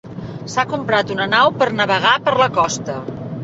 S'ha comprat una nau per navegar per la costa.